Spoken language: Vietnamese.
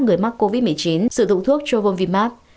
người mắc covid một mươi chín sử dụng thuốc sotrovimab